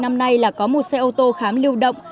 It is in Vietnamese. năm nay là có một xe ô tô khám lưu động